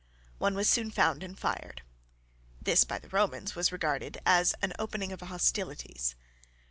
One was soon found and fired. This by the Romans was regarded as an opening of hostilities.